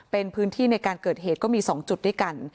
เป็นพื้นที่ในการเกิดเหตุก็มี๒จุดด้วยกัน